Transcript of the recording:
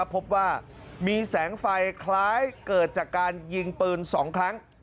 พบว่ามีแสงไฟคล้ายเกิดจากการยิงปืน๒ครั้ง